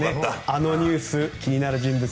あのニュース気になる人物